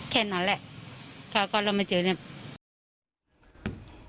แค่นั้นแหละเดี๋ยวก่อนเรามาเจอเนี่ย